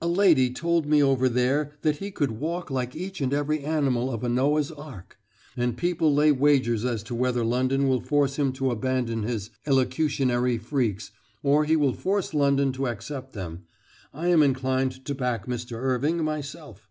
A lady told me over there that he could walk like each and every animal of a Noah's ark; and people lay wagers as to whether London will force him to abandon his elocutionary freaks, or he will force London to accept them. I am inclined to back Mr. Irving, myself."